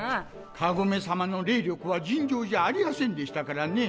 かごめさまの霊力は尋常じゃありやせんでしたからね。